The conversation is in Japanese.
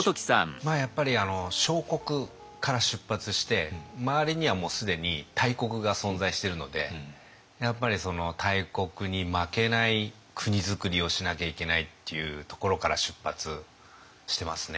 やっぱり小国から出発して周りにはもう既に大国が存在してるのでやっぱりその大国に負けない国づくりをしなきゃいけないっていうところから出発してますね。